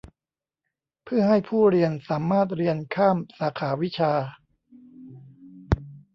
เพื่อให้ผู้เรียนสามารถเรียนข้ามสาขาวิชา